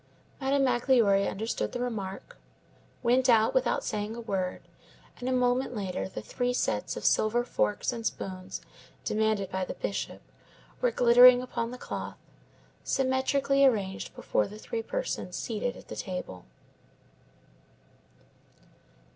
Madame Magloire understood the remark, went out without saying a word, and a moment later the three sets of silver forks and spoons demanded by the Bishop were glittering upon the cloth, symmetrically arranged before the three persons seated at the table.